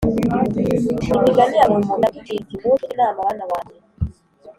Imigani ya salomo iratubwira iti muze tujye inama bana banjye